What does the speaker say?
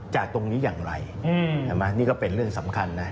จากตรงนี้อย่างไรนี่ก็เป็นเรื่องสำคัญนะ